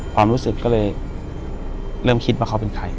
ความรู้สึกก็เลยเริ่มคิดว่าเขาเป็นใคร